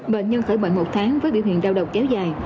bệnh nhân khởi bệnh một tháng với biểu hiện đau độc kéo dài